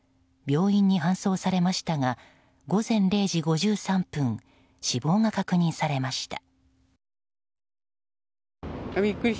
病院に搬送されましたが午前０時５３分死亡が確認されました。